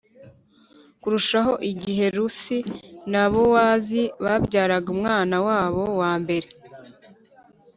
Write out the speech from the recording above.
kurushaho igihe Rusi na Bowazi babyaraga umwana wabo wa mbere